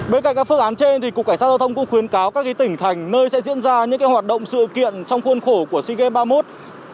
bên cạnh các phương án trên cục cảnh sát giao thông cũng khuyến cáo các tỉnh thành nơi sẽ diễn ra những hoạt động sự kiện trong khuôn khổ của sea games ba mươi một